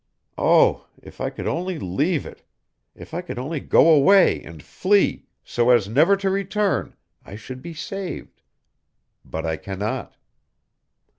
Oh! If I could only leave it, if I could only go away and flee, so as never to return, I should be saved; but I cannot.